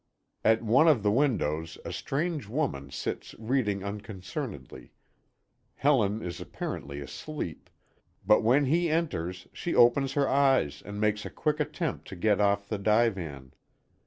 At one of the windows a strange woman sits reading unconcernedly. Helen is apparently asleep; but when he enters, she opens her eyes and makes a quick attempt to get off the divan.